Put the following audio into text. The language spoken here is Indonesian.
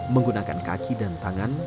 menggunakan kaki dan tangan